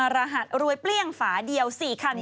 รหัสรวยเปรี้ยงฝาเดียว๔คัน